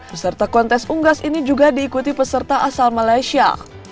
peserta kontes unggas ini juga diikuti peserta asal malaysia